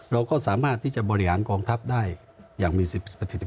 เราก็สามารถที่จะบริหารกองทัพได้อย่างมีสิทธิ